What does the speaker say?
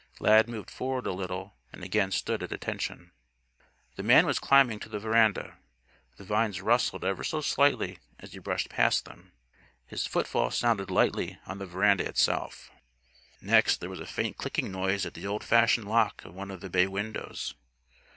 Lad moved forward a little and again stood at attention. The man was climbing to the veranda. The vines rustled ever so slightly as he brushed past them. His footfall sounded lightly on the veranda itself. Next there was a faint clicking noise at the old fashioned lock of one of the bay windows.